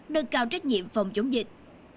đơn cao trách nhiệm phòng chống dịch